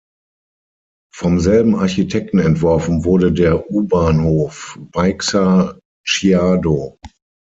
Vom selben Architekten entworfen wurde der U-Bahnhof "Baixa-Chiado".